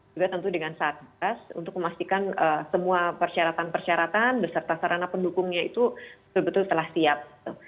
juga tentu dengan satgas untuk memastikan semua persyaratan persyaratan beserta sarana pendukungnya itu betul betul telah siap